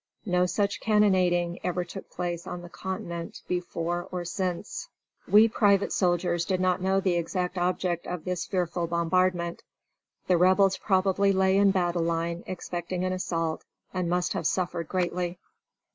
No such cannonading ever took place on the continent before or since. We private soldiers did not know the exact object of this fearful bombardment. The Rebels probably lay in battle line, expecting an assault, and must have suffered greatly.